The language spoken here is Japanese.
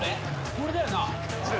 これだよな？